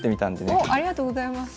おっありがとうございます。